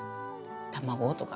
卵とか。